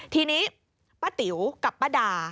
ทีนี้ป้าติ๋วกับป้าดา